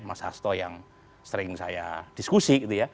mas hasto yang sering saya diskusi